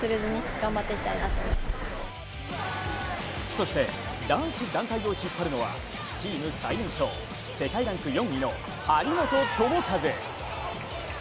そして男子団体を引っ張るのはチーム最年少、世界ランク４位の張本智和。